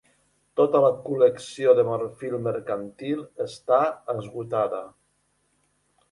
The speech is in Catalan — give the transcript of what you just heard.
Tota la col·lecció de marfil mercantil està esgotada.